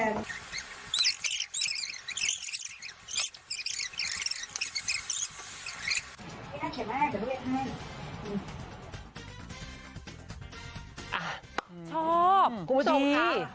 นี่นะเขียนมาให้เดี๋ยวเรียนให้อืม